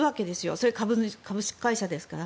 それは株式会社ですから。